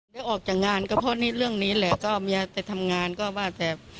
ได้ออกจากงานก็เพราะนี่เรื่องนี้แหละก็เมียไปทำงานก็ว่าแต่